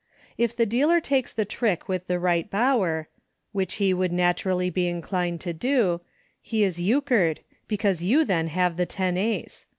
If the dealer takes the trick with the Eight Bower, which he would naturally be inclined to do, he is Euchred, because you then have the tenace.